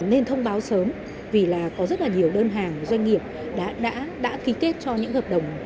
nên thông báo sớm vì là có rất là nhiều đơn hàng doanh nghiệp đã ký kết cho những hợp đồng